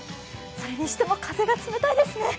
それにしても、風が冷たいですね。